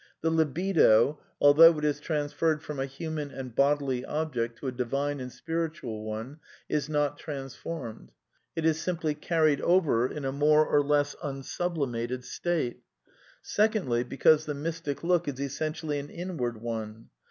The " libido," although it is transferred from a human and bodily object to a divine and spiritual one, is not transformed. It is simply " carried over " in a more or less unsublimated state. S econdl y, be cause the mystic look is essentially an inward one.